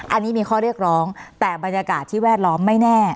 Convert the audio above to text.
อันนี้มีข้อเรียกร้องแต่บรรยากาศที่แวดล้อมไม่แน่